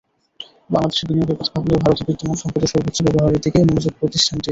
বাংলাদেশে বিনিয়োগের কথা ভাবলেও ভারতে বিদ্যমান সম্পদের সর্বোচ্চ ব্যবহারের দিকেই মনোযোগ প্রতিষ্ঠানটির।